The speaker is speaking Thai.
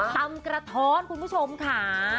ตำกระท้อนคุณผู้ชมค่ะ